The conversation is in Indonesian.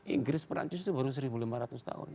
inggris perancis itu baru satu lima ratus tahun